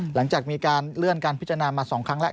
หลังจากมีการเลื่อนการพิจารณามา๒ครั้งแล้ว